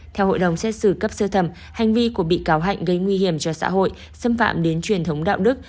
theo hội đồng xét xử cấp sơ thẩm hành vi của bị cáo hạnh gây nguy hiểm cho xã hội xâm phạm đến truyền thống đạo đức